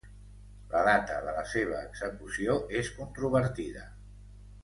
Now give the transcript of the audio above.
La data de la seva execució és controvertida.